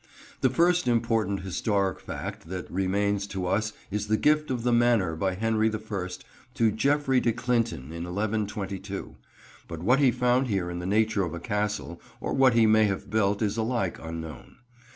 The first important historic fact that remains to us is the gift of the manor by Henry the First to Geoffrey de Clinton in 1122, but what he found here in the nature of a castle, or what he may have built is alike unknown.